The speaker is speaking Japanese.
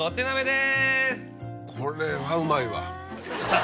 これはうまいわ。